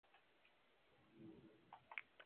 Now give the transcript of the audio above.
今でも記憶している